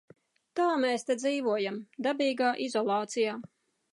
Tā mēs te dzīvojam - dabīgā izolācijā.